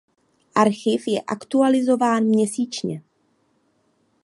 Archiv je aktualizován měsíčně.